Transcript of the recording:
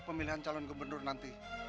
pemilihan calon gubernur nanti